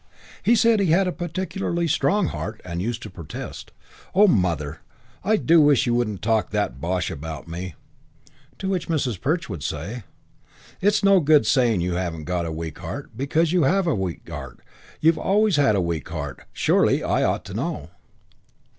He said he had a particularly strong heart and used to protest, "Oh, Mother, I do wish you wouldn't talk that bosh about me." To which Mrs. Perch would say, "It's no good saying you haven't got a weak heart because you have got a weak heart and you've always had a weak heart. Surely I ought to know."